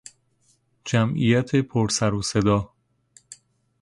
جمعیت پر سر و صدا